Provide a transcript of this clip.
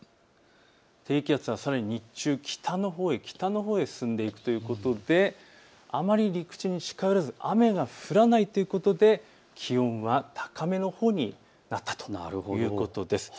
低気圧がさらに日中、北のほうへ進んでいくということで、あまり陸地に近寄らず雨が降らないということで気温は高めのほうになったということです。